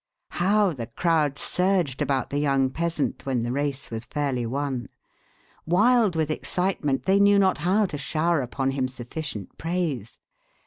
How the crowd surged about the young peasant when the race was fairly won! Wild with excitement, they knew not how to shower upon him sufficient praise.